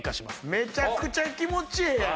めちゃくちゃ気持ちええやん！